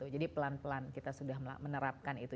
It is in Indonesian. jadi pelan pelan kita sudah menerapkan itu